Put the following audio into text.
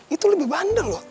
itu lebih bandel loh